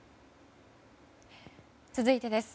続いてです。